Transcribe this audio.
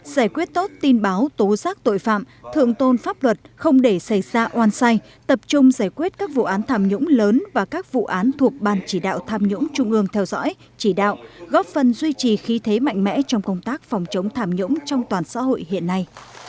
giải quyết tốt tin báo tố giác tội phạm thượng tôn pháp luật không để xảy ra oan sai tập trung giải quyết các vụ án tham nhũng lớn và các vụ án thuộc ban chỉ đạo tham nhũng trung ương theo dõi chỉ đạo góp phần duy trì khí thế mạnh mẽ trong công tác phòng chống tham nhũng trong toàn xã hội hiện nay